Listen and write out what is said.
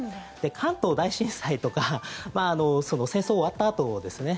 関東大震災とか戦争が終わったあとですね